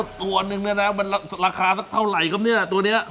ตัวนึงเนี่ยนะมันราคาสักเท่าไหร่ครับเนี่ยตัวนี้